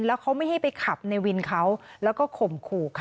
แล้วเขาไม่ให้ไปขับในวินเขาแล้วก็ข่มขู่ค่ะ